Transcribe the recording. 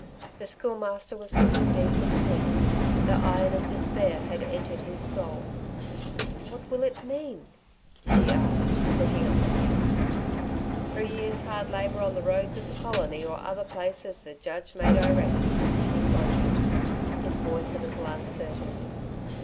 The Schoolmaster was thinking deeply too; the iron of despair had entered his soul. "What will it mean?" she asked, looking up at him. "Three years hard labour on the roads of the Colony or other place as the judge may direct," he quoted, his voice a little uncertain.